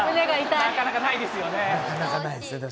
なかなかないですよね。